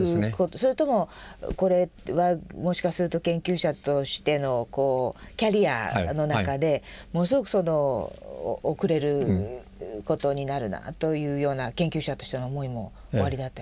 それともこれはもしかすると研究者としてのキャリアの中でものすごく遅れることになるなぁというような研究者としての思いもおありだったでしょうか？